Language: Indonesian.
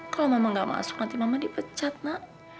kalau memang nggak masuk nanti mama dipecat nak